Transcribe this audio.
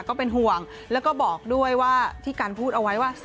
ก็เป็นห่วงแล้วก็บอกด้วยว่าที่กันพูดเอาไว้ว่า